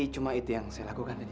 cuma itu yang saya lakukan aja